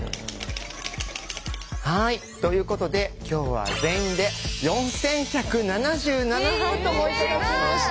はいということで今日は全員で４１７７ハートも頂きました！